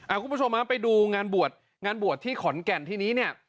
คุณผู้ชมฮะไปดูงานบวชงานบวชที่ขอนแก่นทีนี้เนี่ย